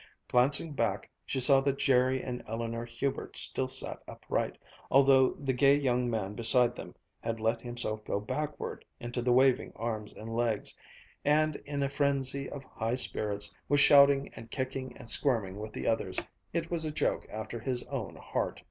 Glancing back, she saw that Jerry and Eleanor Hubert still sat upright; although the gay young man beside them had let himself go backward into the waving arms and legs, and, in a frenzy of high spirits, was shouting and kicking and squirming with the others. It was a joke after his own heart.